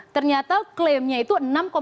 ternyata klaimnya itu enam sembilan belas